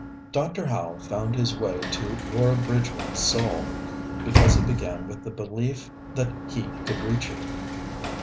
Dr. Howe found his way to Laura BridgmanŌĆÖs soul because he began with the belief that he could reach it.